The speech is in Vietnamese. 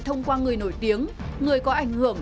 thông qua người nổi tiếng người có ảnh hưởng